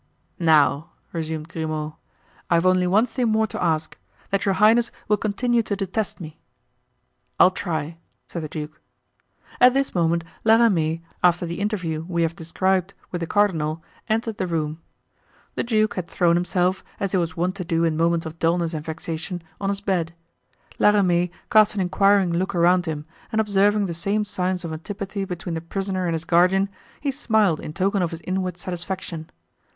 "Now," resumed Grimaud, "I've only one thing more to ask—that your highness will continue to detest me." "I'll try," said the duke. At this moment La Ramee, after the interview we have described with the cardinal, entered the room. The duke had thrown himself, as he was wont to do in moments of dullness and vexation, on his bed. La Ramee cast an inquiring look around him and observing the same signs of antipathy between the prisoner and his guardian he smiled in token of his inward satisfaction.